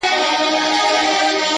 نه په زرو یې سو د باندي را ایستلای؛